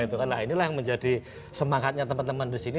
karena inilah yang menjadi semangatnya teman teman di sini